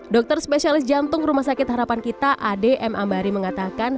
dokter spesialis jantung rumah sakit harapan kita ad m ambari mengatakan